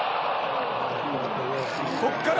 ここから！